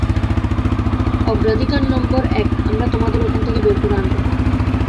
অগ্রাধিকার নম্বর এক আমরা তোমাদের ওখান থেকে বের করে আনব।